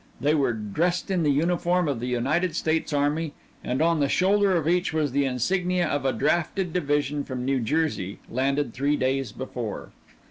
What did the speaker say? They were dressed in the uniform of the United States Army, and on the shoulder of each was the insignia of a drafted division from New Jersey, landed three days before.